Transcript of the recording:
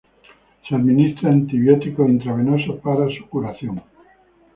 Se administra antibióticos intravenosos para su curación.